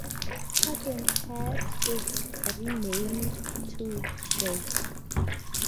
Paguetpet is renamed to Bray.